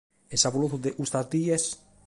E de s’avolotu de custas dies?